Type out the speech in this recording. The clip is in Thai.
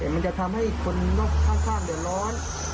มันจะทำให้คนข้างเดือดร้อน